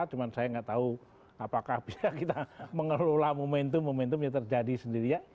cuma saya nggak tahu apakah bisa kita mengelola momentum momentum yang terjadi sendiri